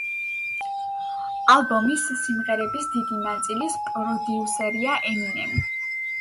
ალბომის სიმღერების დიდი ნაწილის პროდიუსერია ემინემი.